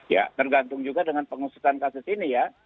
ya tergantung juga dengan pengusutan kasus ini ya